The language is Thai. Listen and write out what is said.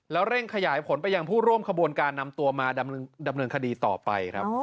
แล้วเร่งขยายผลไปยังผู้ร่วมขบวนการนำตัวมาดำเนินคดีต่อไปครับ